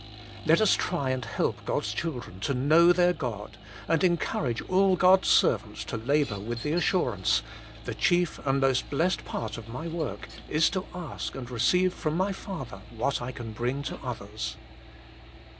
Let us try and help God s children to know their God, and encourage all God s servants to labour with the assurance : the chief and most blessed part of my work is to ask and receive from my Father what I can bring to others.